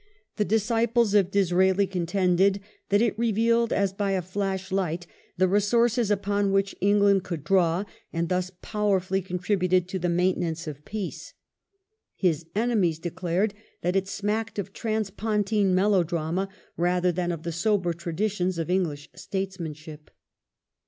The disciples of Disraeli contended that it revealed as by a flash light the resources upon which England could draw, and thus powerfully contributed to the maintenance of peace. His enemies declared that it smacked of transpontine melodrama rather than of the sober traditions of English statesmanship.